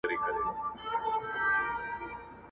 خنډونه له خپلې لارې لرې کړئ.